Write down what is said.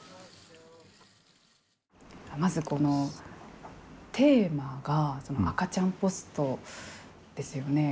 まず、このテーマが赤ちゃんポストですよね。